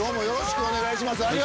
よろしくお願いします。